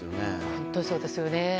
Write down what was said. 本当にそうですよね。